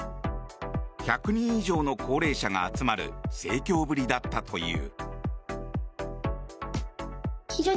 １００人以上の高齢者が集まる盛況ぶりだったという。